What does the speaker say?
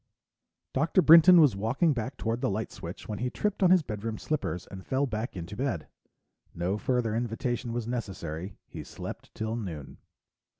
Dr. Brinton was walking back toward the light switch when he tripped on his bedroom slippers and fell back into bed. No further invitation was necessary; he slept till noon.